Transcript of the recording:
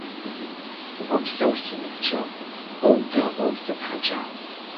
Опсэу, си ныбджэгъу, Ӏоу дэгъоу сыпхьэкӀагъ.